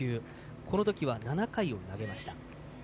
このときは７回を投げました。